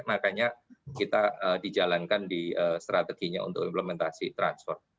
makanya kita dijalankan di strateginya untuk implementasi transfer